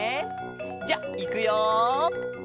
じゃあいくよ。